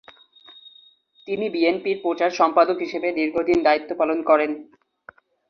তিনি বিএনপির প্রচার সম্পাদক হিসেবে দীর্ঘদিন দায়িত্ব পালন করেন।